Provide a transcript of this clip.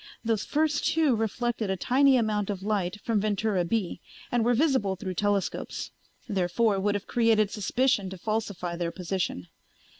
Those first two reflected a tiny amount of light from Ventura B and were visible through telescopes, therefore it would have created suspicion to falsify their position.